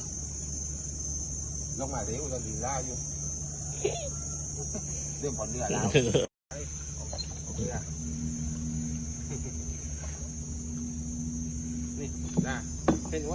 น้ำมันเป็นสิ่งที่สุดท้ายที่สามารถทำให้ทุกคนรู้สึกว่า